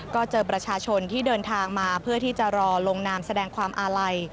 ก็เจอประชาชนที่เดินทางมาเพื่อที่จะรอลงนามแสดงความอาลัย